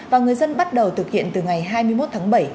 và người dân bắt đầu thực hiện từ ngày hai mươi một tháng bảy